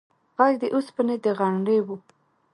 غږ د اوسپنې د غنړې و.